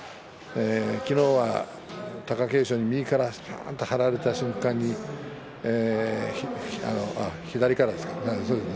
昨日は貴景勝に右からぱん！と張られた瞬間に左からでしたね。